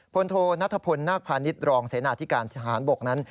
โทนัทพลนาคพาณิชย์รองเสนาธิการทหารบกนั้น